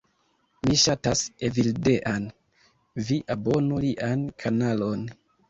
Mi ŝatas Evildean. Vi abonu lian kanalon.